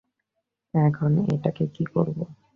এখন এটাকে কী করব?